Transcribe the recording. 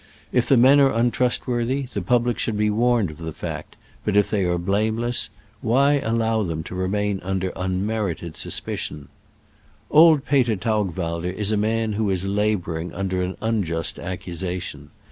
If the men are untrustworthy, the public should be warned of the fact, but if they are blameless, why allow them to remain under unmerited suspicion ?' Old Peter Taugwalder is a man who is laboring under an unjust accusation.